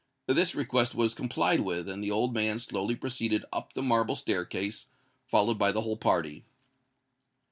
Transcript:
This request was complied with; and the old man slowly proceeded up the marble staircase, followed by the whole party.